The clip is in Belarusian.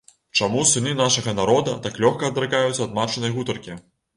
Чаму сыны нашага народа так лёгка адракаюцца ад матчынай гутаркі?